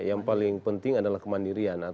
yang paling penting adalah kemandirian